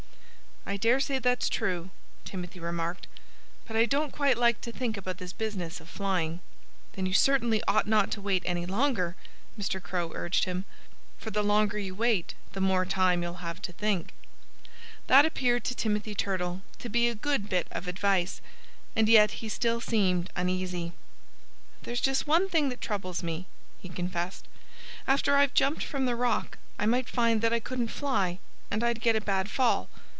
"I dare say that's true," Timothy remarked. "But I don't quite like to think about this business of flying." "Then you certainly ought not to wait any longer," Mr. Crow urged him. "For the longer you wait the more time you'll have to think." That appeared to Timothy Turtle to be a good bit of advice. And yet he still seemed uneasy. "There's just one thing that troubles me," he confessed. "After I've jumped from the rock I might find that I couldn't fly. And I'd get a bad fall."